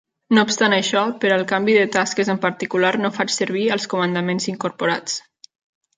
No obstant això, per al canvi de tasques en particular no faig servir els comandaments incorporats.